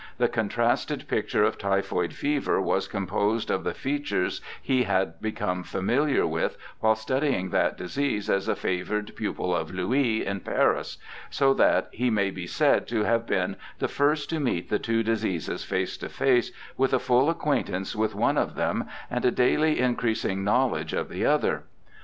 The contrasted picture of typhoid fever was composed of the features he had become familiar with while studying that disease as a favoured pupil of Louis, in Paris, so that he may be said to have been the first to meet the two diseases face to face with a full ac quaintance with one of them and a daily increasing knowledge of the other.